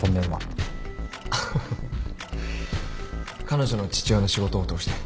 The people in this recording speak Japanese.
彼女の父親の仕事を通して。